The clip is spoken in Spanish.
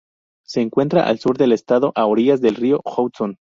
Se encuentra al sur del estado, a orillas del río Hudson.